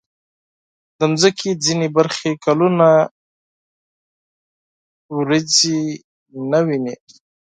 د مځکې ځینې برخې کلونه وریځې نه ویني.